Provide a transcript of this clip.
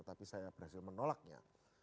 tapi saya berhasil menolaknya